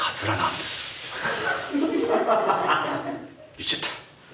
言っちゃった。